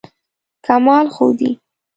کمال ښودی.